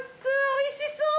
おいしそう！